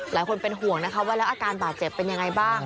หลายคนเป็นห่วงนะคะว่าแล้วอาการบาดเจ็บเป็นยังไงบ้าง